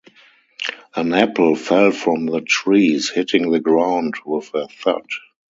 An apple fell from the trees, hitting the ground with a thud.